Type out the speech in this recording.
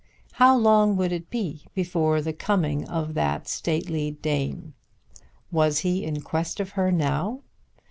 How long would it be before the coming of that stately dame? Was he in quest of her now?